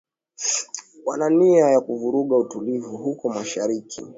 Wana nia ya kuvuruga utulivu huko mashariki